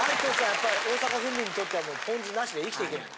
やっぱり大阪府民にとってはポン酢なしで生きていけない。